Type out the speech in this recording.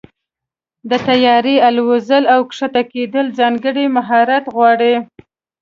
د طیارې الوزېدل او کښته کېدل ځانګړی مهارت غواړي.